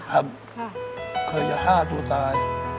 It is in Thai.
เคยจะฆ่าตัวตาย